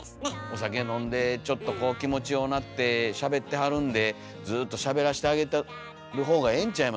お酒飲んでちょっと気持ちようなってしゃべってはるんでずっとしゃべらしてあげてるほうがええんちゃいます？